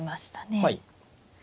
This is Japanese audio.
はい。